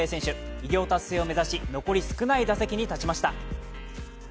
偉業達成を目指し、残り少ない打席に立ちました。